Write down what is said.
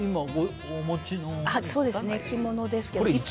着物ですけども。